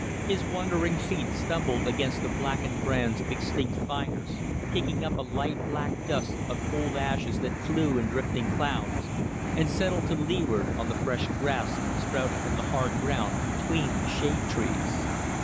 His wandering feet stumbled against the blackened brands of extinct fires, kicking up a light black dust of cold ashes that flew in drifting clouds and settled to leeward on the fresh grass sprouting from the hard ground, between the shade trees.